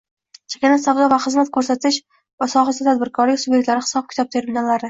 Chakana savdo va xizmat ko‘rsatish sohasidagi tadbirkorlik subyektlari hisob-kitob terminallari